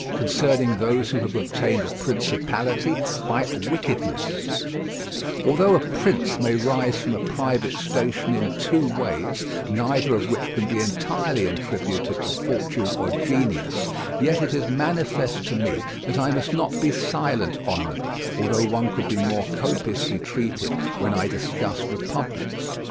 CONCERNING THOSE WHO HAVE OBTAINED A PRINCIPALITY BY WICKEDNESS Although a prince may rise from a private station in two ways, neither of which can be entirely attributed to fortune or genius, yet it is manifest to me that I must not be silent on them, although one could be more copiously treated when I discuss republics.